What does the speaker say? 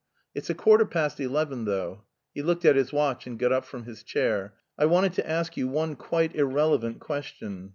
It's a quarter past eleven, though." He looked at his watch and got up from his chair. "I wanted to ask you one quite irrelevant question."